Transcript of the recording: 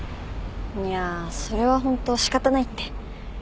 いやそれはホント仕方ないって。